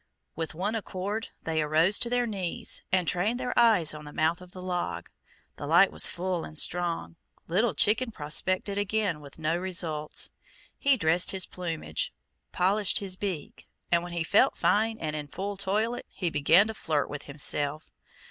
With one accord they arose to their knees and trained their eyes on the mouth of the log. The light was full and strong. Little Chicken prospected again with no results. He dressed his plumage, polished his beak, and when he felt fine and in full toilet he began to flirt with himself.